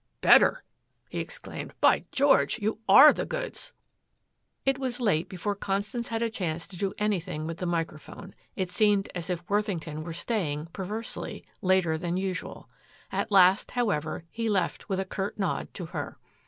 "Better!" he exclaimed. "By George, you ARE the goods." It was late before Constance had a chance to do anything with the microphone. It seemed as if Worthington were staying, perversely, later than usual. At last, however, he left with a curt nod to her.